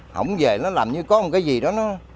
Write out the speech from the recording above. không về nó làm như có một cái gì đó